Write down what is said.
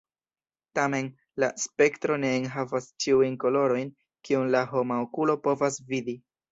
Tamen, la spektro ne enhavas ĉiujn kolorojn kiun la homa okulo povas vidi.